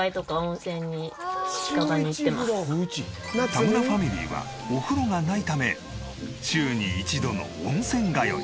田村ファミリーはお風呂がないため週に１度の温泉通い。